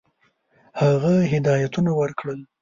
هغه هدایتونه ورکړل.